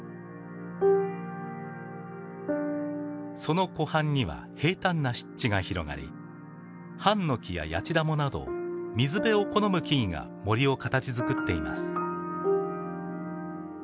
その湖畔には平たんな湿地が広がりハンノキやヤチダモなど水辺を好む木々が森を形づくっています。